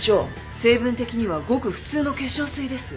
成分的にはごく普通の化粧水です。